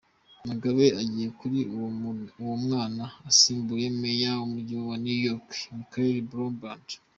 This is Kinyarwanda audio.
Mugabe agiye kuri uwo mwana asimbuye Meya w’Umujyi wa New York, Michael Bloomberg.